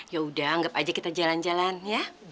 yaudah anggap aja kita jalan jalan ya